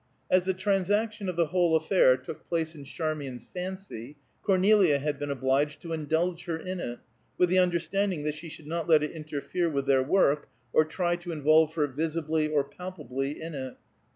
As the transaction of the whole affair took place in Charmian's fancy, Cornelia had been obliged to indulge her in it, with the understanding that she should not let it interfere with their work, or try to involve her visibly or palpably in it.